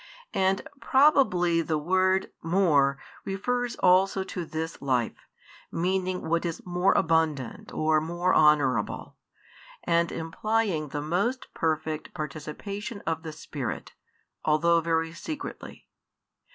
And probably the word more refers also to this life, meaning what is more abundant or more honourable, and implying the most perfect participation of the Spirit, although very secretly.